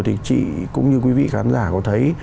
thì chị cũng như quý vị khán giả có thấy